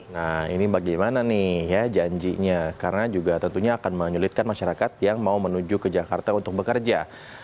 nah ini bagaimana nih ya janjinya karena juga tentunya akan menyulitkan masyarakat yang mau menuju ke jakarta untuk bekerja